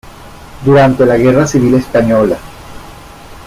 Durante la Guerra Civil española.